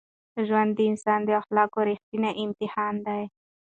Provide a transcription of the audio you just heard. ژوند د انسان د اخلاقو رښتینی امتحان دی.